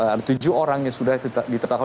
ada tujuh orang yang sudah ditetapkan